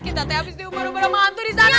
kita teh abis nih umar umar sama hantu disana